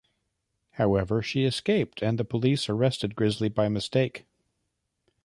However, she escaped and the police arrested Grizzly by mistake.